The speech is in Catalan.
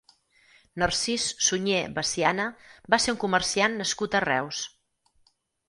Narcís Sunyer Veciana va ser un comerciant nascut a Reus.